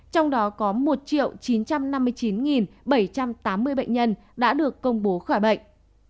trong đó có một chín trăm năm mươi chín bảy trăm tám mươi bệnh nhân đã được công bố khỏi bệnh